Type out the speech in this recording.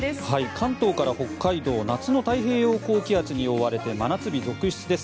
関東から北海道夏の太平洋高気圧に覆われて真夏日続出です。